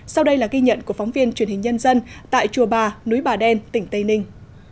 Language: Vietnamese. sau đây là ghi nhận của phóng viên truyền hình nhân dân tại chùa bà núi bà đen tỉnh tây ninh